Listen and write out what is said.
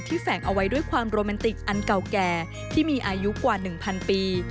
แฝงเอาไว้ด้วยความโรแมนติกอันเก่าแก่ที่มีอายุกว่า๑๐๐ปี